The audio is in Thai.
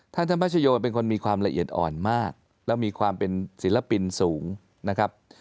ธรรมชโยเป็นคนมีความละเอียดอ่อนมากแล้วมีความเป็นศิลปินสูงนะครับ